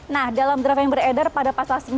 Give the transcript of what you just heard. nah dalam draft yang beredar pada pasal sembilan